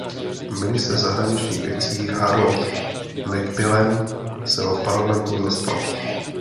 Ministr zahraničních věcí Harold Macmillan se ho v parlamentu zastal.